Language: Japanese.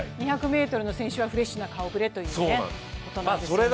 ２００ｍの選手はフレッシュな顔ぶれということなんですよね。